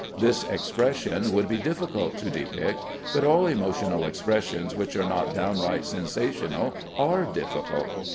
This expression would be difficult to depict, but all emotional expressions which are not downright sensational are difficult.